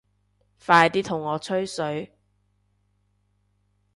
快啲同我吹水